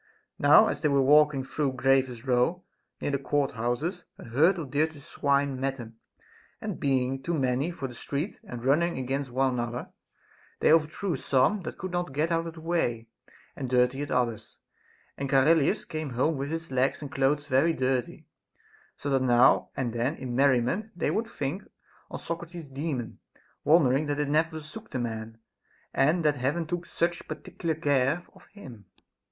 Now as they were walking through Gravers' Row, SOCRATES'S DAEMON. 389 near the court houses, a herd of dirty swine met them ; and being too many for the street and running against one another, they overthrew some that could not get out of the way, and dirted others ; and Charillus came home with his legs and clothes very dirty ; so that now and then in mer riment they would think on Socrates's Daemon, wondering that it never forsook the man, and that Heaven took such particular care of him.